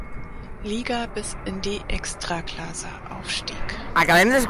Liga bis in die Ekstraklasa aufstieg.